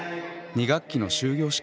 ２学期の終業式。